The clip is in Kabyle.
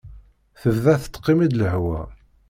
Tebda tettmiqi-d lehwa.